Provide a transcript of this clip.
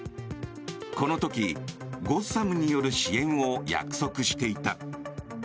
この時、ゴッサムによる支援を約束していた。